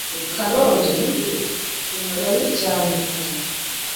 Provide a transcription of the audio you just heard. Karoli yabijyanye kure.